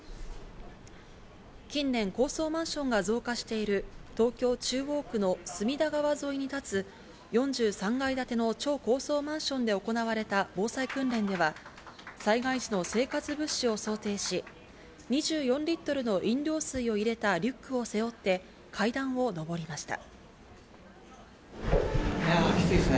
近年、高層マンションが増加している東京・中央区の隅田川沿いに建つ４３階建ての超高層マンションで行われた防災訓練では、災害時の生活物資を想定し、２４リットルの飲料水を入れたリュックを背負って階段を登りました。